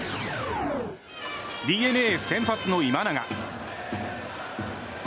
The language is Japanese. ＤｅＮＡ先発の今永。